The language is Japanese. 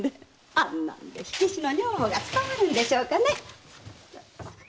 あんなんで火消しの女房が務まるんでしょうかね？